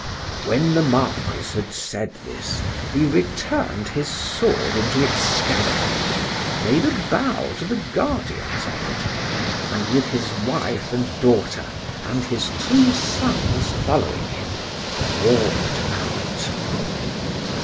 When the Marquis had said this, he returned his sword into its scabbard, made a bow to the guardians of it,—and, with his wife and daughter, and his two sons following him, walk'd out.